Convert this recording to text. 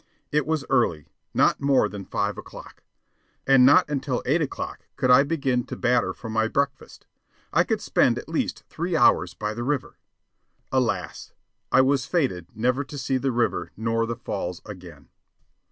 It was early not more than five o'clock and not until eight o'clock could I begin to batter for my breakfast. I could spend at least three hours by the river. Alas! I was fated never to see the river nor the falls again.